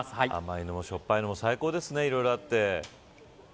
甘いのも、しょっぱいのも最高ですね、いろいろあって。